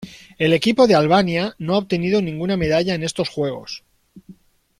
El equipo de Albania no ha obtenido ninguna medalla en estos Juegos.